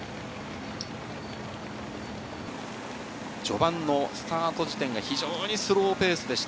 序盤のスタート時点は非常にスローペースでした。